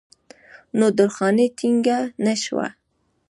نو درخانۍ ټينګه نۀ شوه